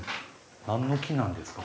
何の木なんですか？